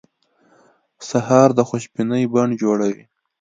سهار د خوشبینۍ بڼ جوړوي.